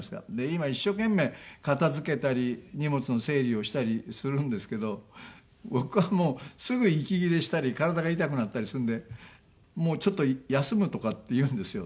今一生懸命片付けたり荷物の整理をしたりするんですけど僕はもうすぐ息切れしたり体が痛くなったりするんでもう「ちょっと休む」とかって言うんですよ。